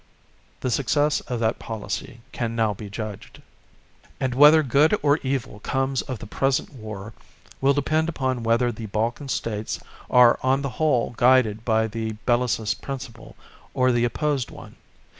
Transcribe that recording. The success of that policy can now be judged. And whether good or evil comes of the present war will depend upon whether the Balkan States are on the whole guided by the Bellicist principle or the opposed one.